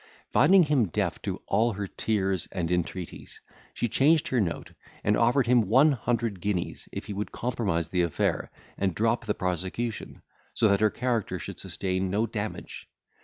Finding him deaf to all her tears and entreaties, she changed her note, and offered him one hundred guineas, if he would compromise the affair, and drop the prosecution, so as that her character should sustain no damage.